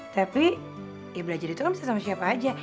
tapi ya belajar itu kan bisa sama siapa aja